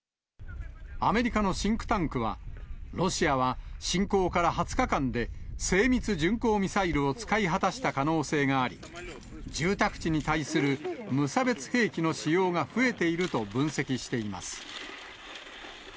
アメリカのシンクタンクは、ロシアは侵攻から２０日間で、精密巡航ミサイルを使い果たした可能性があり、住宅地に対する無差別兵器の使用が増えていると分析しています。